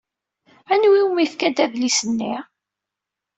Anwa umi fkant adlis-nni?